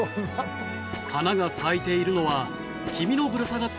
花が咲いているのは。